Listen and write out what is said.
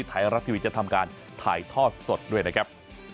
ไทยรัฐทีวีจะทำการถ่ายทอดสดด้วยนะครับ